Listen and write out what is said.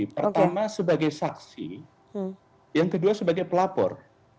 pertama sebagai saksi yang kedua sebagai pelapor